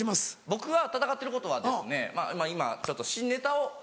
僕が戦ってることは今ちょっと新ネタを。